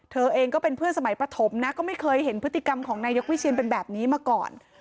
เธอเองก็เป็นเพื่อนสมัยประถมนะก็ไม่เคยเห็นพฤติกรรมของนายกวิเชียนเป็นแบบนี้มาก่อน